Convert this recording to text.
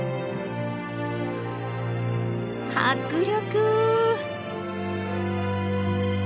迫力！